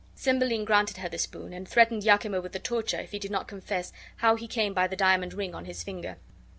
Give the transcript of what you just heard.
Cymbeline granted her this boon, and threatened Iachimo with the torture if he did not confess how he came by the diamond ring on his finger.